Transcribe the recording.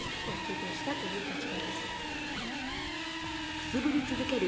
くすぶり続ける